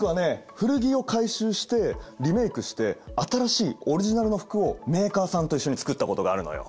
古着を回収してリメークして新しいオリジナルの服をメーカーさんと一緒に作ったことがあるのよ。